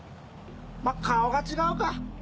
まっ顔が違うか。